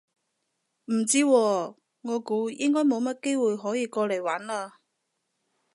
唔知喎，我估應該冇乜機會可以過嚟玩嘞